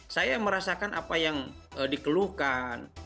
saya merasakan apa yang dikeluhkan